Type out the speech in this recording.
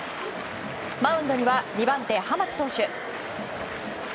マウンドには２番手、浜地投手。